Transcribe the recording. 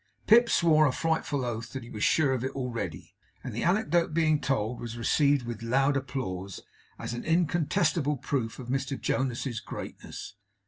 Pip swore a frightful oath that he was sure of it already; and the anecdote, being told, was received with loud applause, as an incontestable proof of Mr Jonas's greatness.